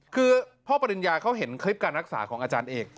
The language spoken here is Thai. คือพ่อปริญญาเขาเห็นคลิปการรักษาของอาจารย์เอก